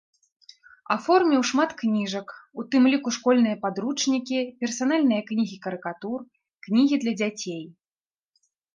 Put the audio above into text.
Аформіў шмат кніжак, у тым ліку школьныя падручнікі, персанальныя кнігі карыкатур, кнігі для дзяцей.